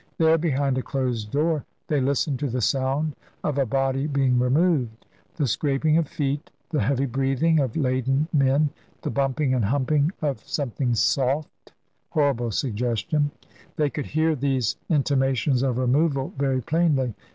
There behind a closed door they listened to the sound of a body being removed. The scraping of feet, the heavy breathing of ladened men, the bumping and humping of something soft (horrible suggestion) they could hear these intimations of removal very plainly.